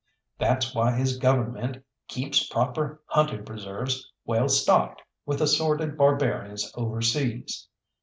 That's why his government keeps proper hunting preserves, well stocked with assorted barbarians over seas.